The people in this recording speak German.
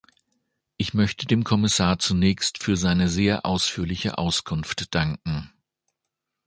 Ich möchte dem Kommissar zunächst für seine sehr ausführliche Auskunft danken.